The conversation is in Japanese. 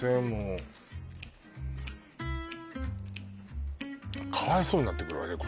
もうかわいそうになってくるわ